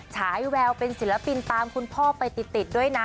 ฉายแววเป็นศิลปินตามคุณพ่อไปติดด้วยนะ